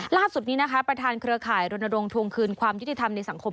ล่าสุดนี้นะคะประธานเครือข่ายรณรงค์ทวงคืนความยุติธรรมในสังคม